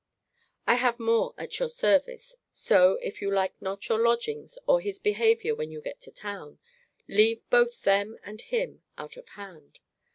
I have more at your service. So, if you like not your lodgings or his behaviour when you get to town, leave both them and him out of hand.